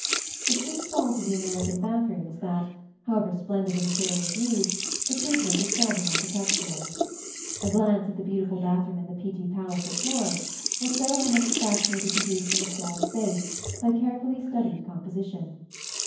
The chief fault of the American bath room is that, however splendid the materials used, the treatment is seldom architectural. A glance at the beautiful bath room in the Pitti Palace at Florence (see Plate LV) will show how much effect may be produced in a small space by carefully studied composition.